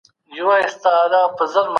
تضاد څنګه په ټولنه کې منځ ته راځي؟